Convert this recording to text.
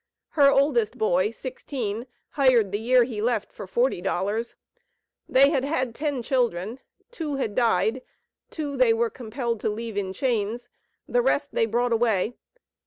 Her oldest boy, sixteen, hired the year he left for forty dollars. They had had ten children; two had died, two they were compelled to leave in chains; the rest they brought away.